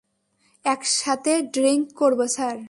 একসাথে ড্রিংক করবো স্যার।